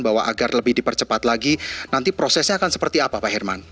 bahwa agar lebih dipercepat lagi nanti prosesnya akan seperti apa pak herman